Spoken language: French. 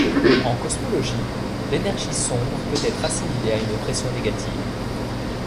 En cosmologie, l'énergie sombre peut être assimilée à une pression négative.